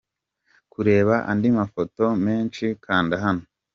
Kureba andi mafoto menshi kanda hano.